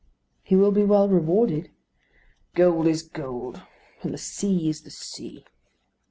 "He will be well rewarded." "Gold is gold; and the sea is the sea."